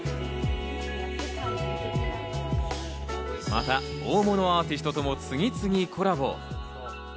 また大物アーティストとも次々コラボ。